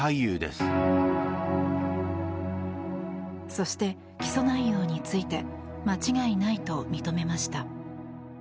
そして、起訴内容について間違いないと認めました。